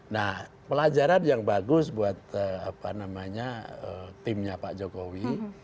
nah pelajaran yang bagus buat timnya pak jokowi